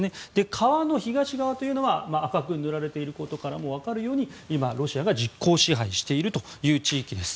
川の東側というのは赤く塗られていることからも分かるように、今ロシアが実効支配している地域です。